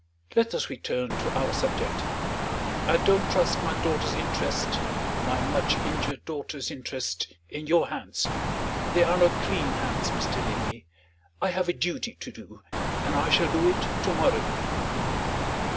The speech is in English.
Let us return to our subject. I don't trust my daughter's interests my much injured daughter's interests in your hands. They are not clean hands, Mr. Linley. I have a duty to do; and I shall do it to morrow."